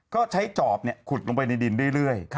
ก็ใช้จอบขุดลงไปในดินเรื่อย